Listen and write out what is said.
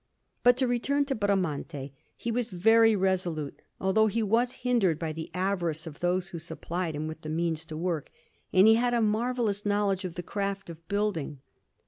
But to return to Bramante; he was very resolute, although he was hindered by the avarice of those who supplied him with the means to work, and he had a marvellous knowledge of the craft of building.